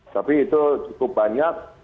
tapi itu cukup banyak